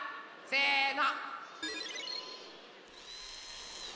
せの！